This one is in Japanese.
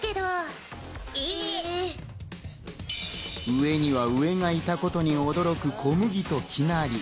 上には上がいたことに驚くこむぎときなり。